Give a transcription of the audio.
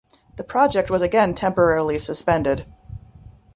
The project was again temporarily suspended.